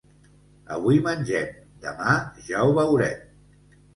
Avui mengem, demà, ja ho veurem.